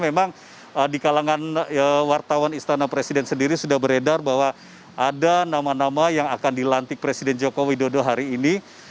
memang di kalangan wartawan istana presiden sendiri sudah beredar bahwa ada nama nama yang akan dilantik presiden joko widodo hari ini